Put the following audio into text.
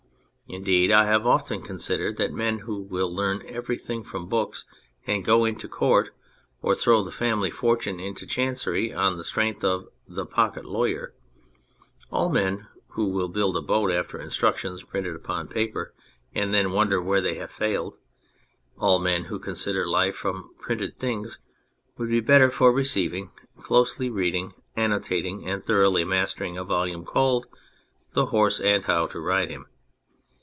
Indeed I have often considered that men who will learn everything from books and go into court or throw the family fortune into chancery on the strength of " The Pocket Lawyer "; all men who will build a boat after instruc tions printed upon paper and then wonder where they have failed ; all men who consider life from printed things, would be the better for receiving, closely reading, annotating and thoroughly mastering a volume called "The Horse and How to Ride Him."